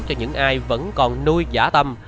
cho những ai vẫn còn nuôi giả tâm